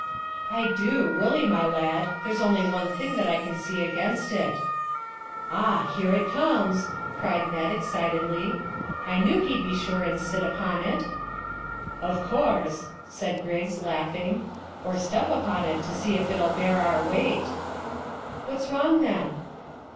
"I do, really, my lad. There's only one thing that I can see against it." "Ah, here it comes," cried Ned excitedly; "I knew he'd be sure and sit upon it." "Of course," said Griggs, laughing, "or step upon it to see if it'll bear our weight." "What's wrong, then?"